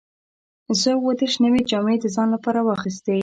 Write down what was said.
زه اووه دیرش نوې جامې د ځان لپاره واخیستې.